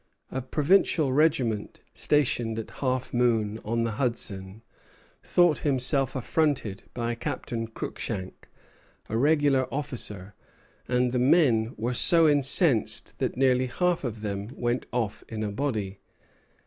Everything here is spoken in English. A provincial regiment stationed at Half Moon, on the Hudson, thought itself affronted by Captain Cruikshank, a regular officer; and the men were so incensed that nearly half of them went off in a body.